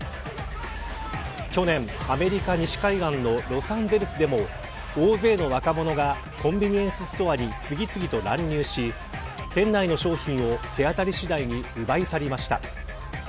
去年、アメリカ西海岸のロサンゼルスでも大勢の若者がコンビニエンスストアに次々と乱入し店内の商品を手当たり次第に奪い去りました。